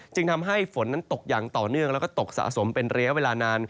จึงทำให้ฝนตกอย่างต่อเนื่องและตกสะสมเป็นเรียวเวลานาน